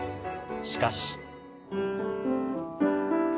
しかし。